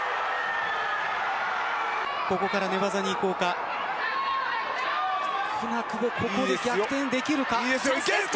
ここから寝技に移行か舟久保、ここで逆転できるか。